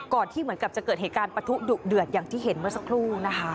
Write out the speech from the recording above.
ที่เหมือนกับจะเกิดเหตุการณ์ประทุดุเดือดอย่างที่เห็นเมื่อสักครู่นะคะ